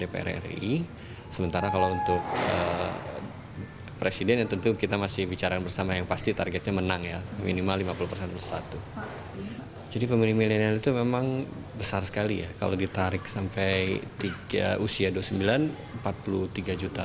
pemilu legislatif dua ribu sembilan belas itu memang besar sekali ya kalau ditarik sampai usia dua puluh sembilan empat puluh tiga juta